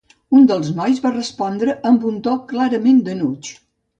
Un dels nois va respondre amb un to clarament d'enuig.